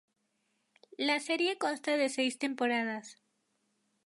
La serie consta de seis temporadas.